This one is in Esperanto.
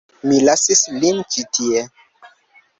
Mi lasis lin ĉi tie.